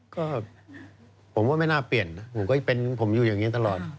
ก็ผมก็ไม่น่าเปลี่ยนนะผมก็เป็นผมอยู่อย่างนี้ตลอด